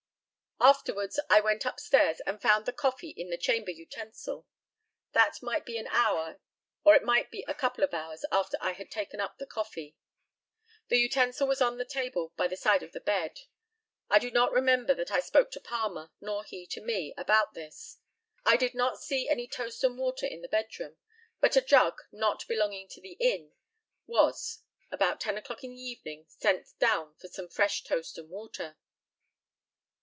Afterwards I went upstairs, and found the coffee in the chamber utensil. That might be an hour, or it might be a couple of hours after I had taken up the coffee. The utensil was on the table by the side of the bed. I do not remember that I spoke to Palmer, nor he to me, about this. I did not see any toast and water in the bed room; but a jug, not belonging to the inn, was about ten o'clock in the evening sent down for some fresh toast and water.